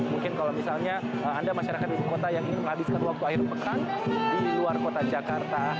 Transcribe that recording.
mungkin kalau misalnya anda masyarakat ibu kota yang ingin menghabiskan waktu akhir pekan di luar kota jakarta